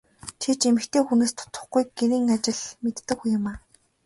Чи ч эмэгтэй хүнээс дутахгүй гэрийн ажил мэддэг хүн юмаа.